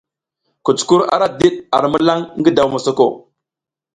Kucukur ara diɗ ar milan ngi daw mosoko.